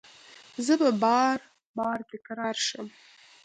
زه به بار، بار تکرار شم